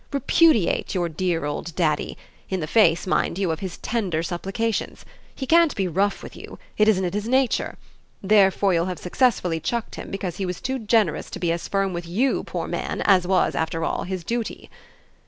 REPUDIATE your dear old daddy in the face, mind you, of his tender supplications. He can't be rough with you it isn't in his nature: therefore you'll have successfully chucked him because he was too generous to be as firm with you, poor man, as was, after all, his duty."